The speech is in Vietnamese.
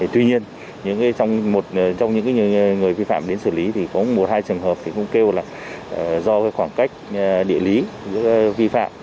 tuy nhiên trong những người vi phạm đến xử lý thì có một hai trường hợp cũng kêu là do khoảng cách địa lý vi phạm